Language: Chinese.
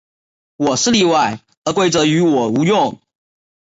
我是例外，而规则于我无用。